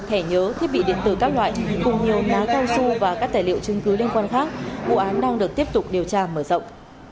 thẻ nhớ thiết bị điện tử các loại cùng nhiều má cao su và các tài liệu chứng cứ liên quan khác vụ án đang được tiếp tục điều tra mở rộng